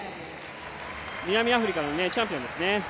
南アフリカのチャンピオンです。